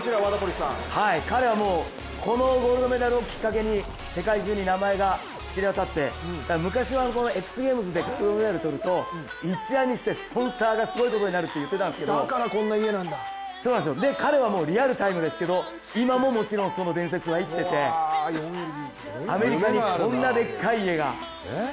彼はもうこのゴールドメダルをきっかけに世界中に名前が知れ渡って昔はこのＸＧＡＭＥＳでゴールドメダルを取ると、一夜にしてスポンサーがすごいことになると言ってたんですけど彼はリアルタイムですけど今ももちろんその伝説は生きててアメリカにこんなでっかい家が。